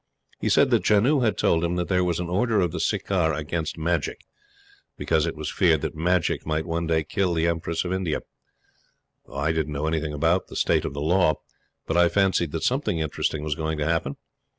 He said that Janoo had told him that there was an order of the Sirkar against magic, because it was feared that magic might one day kill the Empress of India. I didn't know anything about the state of the law; but I fancied that something interesting was going to happen.